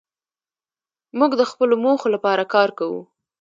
موږ د خپلو موخو لپاره کار کوو.